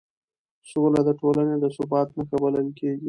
سوله د ټولنې د ثبات نښه بلل کېږي